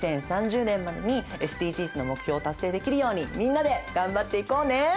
２０３０年までにＳＤＧｓの目標を達成できるようにみんなで頑張っていこうね！